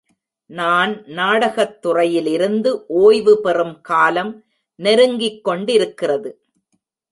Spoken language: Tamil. நான் நாடகத் துறையிலிருந்து ஒய்வு பெறும் காலம் நெருங்கிக் கொண்டிருக்கிறது.